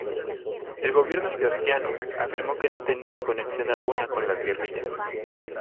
El gobierno georgiano afirmó que no tenía conexión alguna con las guerrillas.